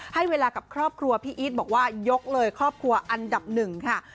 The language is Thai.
ให้เวลากับครอบครัวพี่อีทบอกว่ายกเลยครอบครัวอันดับหนึ่งค่ะ